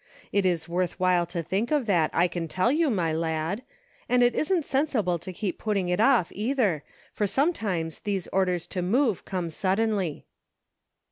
It is worth while to think of that, I can tell you, my lad ; and it isn't sensible to keep putting it off, either, for sometimes these orders to move come suddenly."